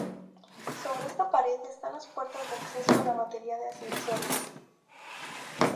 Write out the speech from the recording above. Sobre esta pared están las puertas de acceso a la batería de ascensores.